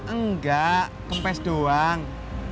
enggak kempes doang